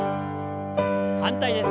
反対です。